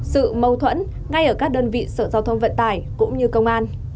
sự mâu thuẫn ngay ở các đơn vị sở giao thông vận tải cũng như công an